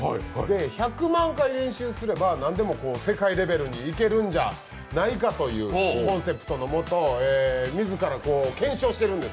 １００万回練習すればなんでも世界レベルにいけるんじゃないかというコンセプトのもと自ら検証しているんです。